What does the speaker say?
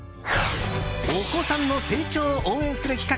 お子さんの成長を応援する企画